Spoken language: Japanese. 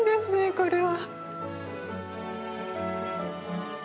これは。